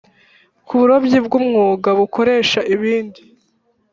Ku burobyi bw umwuga bukoresha ibindi